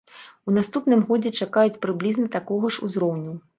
У наступным годзе чакаюць прыблізна такога ж узроўню.